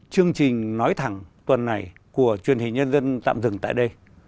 chương trình nói thẳng tuần này của truyền hình nhân dân tạm dừng tại đây